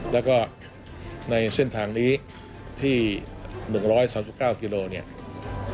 และในเส้นทางนี้ที่๑๓๙กิโลกรัม